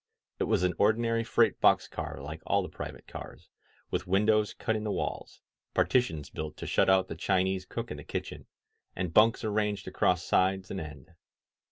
It was an ordinary freight box car like all the private cars, with windows cut in the walls, partitions built to shut out the Chinese cook in the kitchen, and bunks arranged across sides and end.